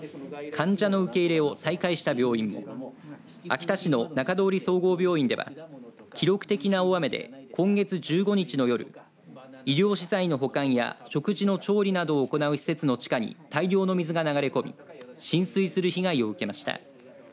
患者の受け入れを再開した病院も秋田市の中通総合病院では記録的な大雨で今月１５日の夜医療資材の保管や食事の調理などを行う施設の地下に大量の水が流れ込み浸水する被害を受けました。